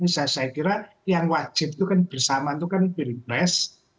saya kira yang wajib itu kan bersamaan itu kan pilih pres